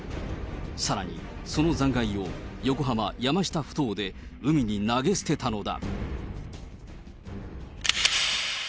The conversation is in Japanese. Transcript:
さらにその残骸を、横浜・山下ふ頭で海に投げ捨てたのだ。